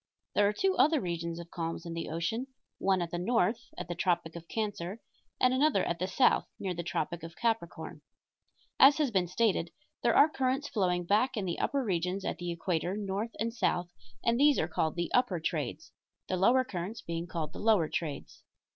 There are two other regions of calms in the ocean, one at the north at the tropic of Cancer and another at the south near the tropic of Capricorn. As has been stated, there are currents flowing back in the upper regions at the equator north and south, and these are called the upper trades the lower currents being called the lower trades.